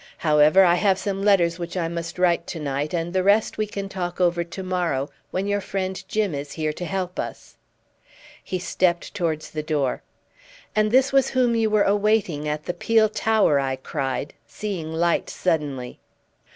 However, I have some letters which I must write to night, and the rest we can talk over to morrow, when your friend Jim is here to help us." He stepped towards the door. "And this was whom you were awaiting at the peel tower!" I cried, seeing light suddenly.